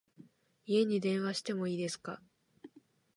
家に電話しても良いですか？